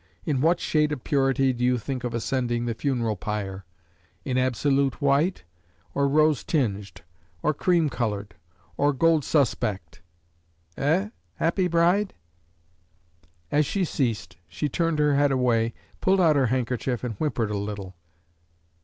In what shade of purity do you think of ascending the funeral pyre? In absolute white? or rose tinged? or cream colored! or gold suspect? Eh, happy bride?" As she ceased, she turned her head away, pulled out her handkerchief, and whimpered a little.